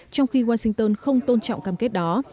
trong khi washington không tôn trọng cam kết đó